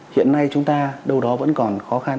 hiện nay chúng ta đâu đó vẫn còn khó khăn